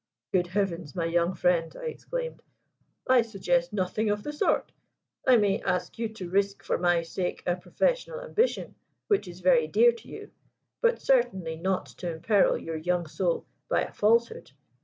'Good Heavens! my young friend,' I exclaimed, 'I suggest nothing of the sort. I may ask you to risk for my sake a professional ambition which is very dear to you, but certainly not to imperil your young soul by a falsehood.